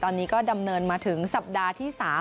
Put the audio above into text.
ตอนนี้ก็ดำเนินมาถึงสัปดาห์ที่๓